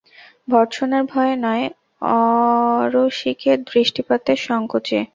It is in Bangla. ভর্ৎসনার ভয়ে নয়, অরসিকের দৃষ্টিপাতের সংকোচে।